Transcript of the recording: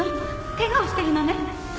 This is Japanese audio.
ケガをしてるのね。